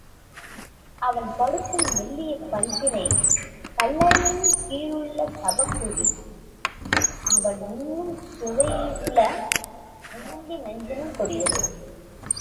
அவன் படுக்கும் மெல்லிய பஞ்சனை கல்லறையின் கீழுள்ள சவக்குழி அவன் உண்ணும் சுவையுள்ள உண்டி நஞ்சினும் கொடியது!